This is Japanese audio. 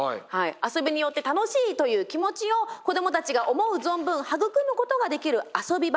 遊びによって楽しいという気持ちを子どもたちが思う存分育むことができる遊び場が都内にあるんです。